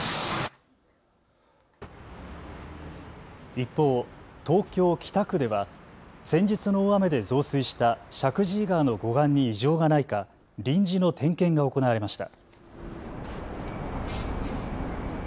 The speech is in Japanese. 一方、東京北区では先日の大雨で増水した石神井川の護岸に異常がないか臨時の点検が行われました。